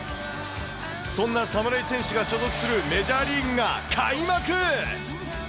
そんな侍選手が所属するメジャーリーグが開幕。